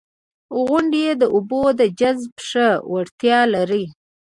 • غونډۍ د اوبو د جذب ښه وړتیا لري.